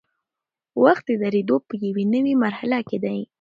وخت د درېدو په یوې نوي مرحله کې دی.